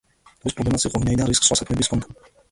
ურთიერთობის პრობლემაც იყო, ვინაიდან რიკს სხვა საქმეებიც ჰქონდა.